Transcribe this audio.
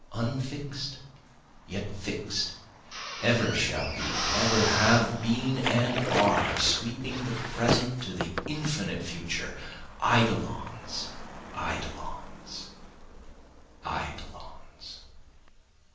Unfix'd yet fix'd, Ever shall be, ever have been and are, Sweeping the present to the infinite future, Eidolons, eidolons, eidolons.